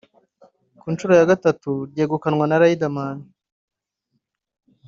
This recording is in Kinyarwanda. ku nshuro ya gatatu ryegukanwa na Riderman